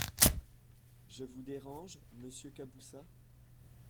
Je vous dérange, monsieur Caboussat ?